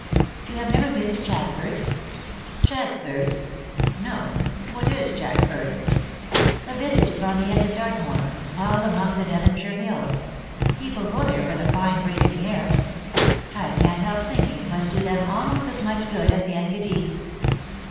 ^^ You have never been to Chagford ?"" Chagford ! No ; what is Chagford r " A village upon the edge of Dartmoor — all among the Devonshire hills. People go there for the fine bracing air. I can^t help thinking it must do them almost as much good as the Engadine."